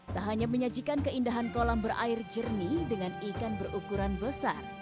tak hanya menyajikan keindahan kolam berair jernih dengan ikan berukuran besar